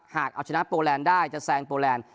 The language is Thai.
หากเอาชนะโปแลนด์ได้จะแซงโปแลนด์